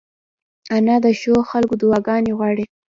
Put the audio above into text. انا د ښو خلکو دعاګانې غواړي